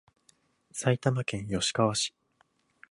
埼玉県吉川市